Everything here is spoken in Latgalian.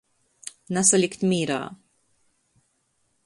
Nasalikt mīrā.